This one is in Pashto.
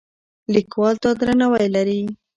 لیکوال دا درناوی لري.